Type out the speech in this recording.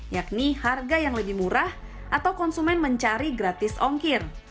yakni harga yang lebih murah atau konsumen mencari gratis ongkir